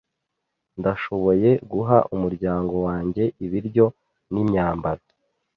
Ndashoboye guha umuryango wanjye ibiryo n'imyambaro.